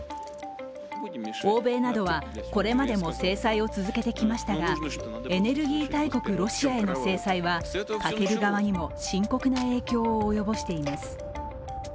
欧米などは、これまでも制裁を続けてきましたがエネルギー大国・ロシアへの制裁はかける側にも深刻な影響を及ぼしています。